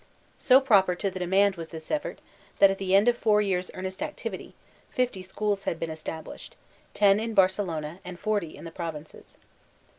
So proper to the demand was thb effort, that at the end of four years' earnest activity, fifty schools had beeq established, ten in Barcelona, and forty in the provinces.